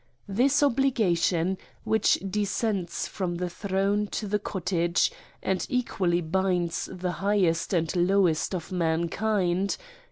This obligation, which descends from the throne to the cottage, and equally binds the highest and lowest of mankind